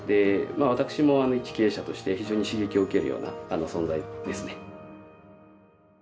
私もいち経営者として非常に刺激を受けるような存在ですね。